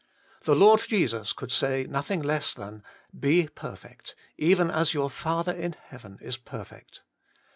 The Lord Jesus could say nothing less than, ' Be perfect, even as your Father in heaven is perfect.'